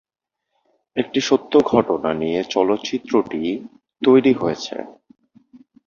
একটি সত্য ঘটনা নিয়ে চলচ্চিত্রটি তৈরি হয়েছে।